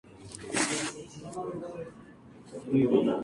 Las bombas se expulsan por medios externos.